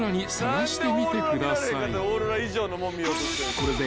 ［これで］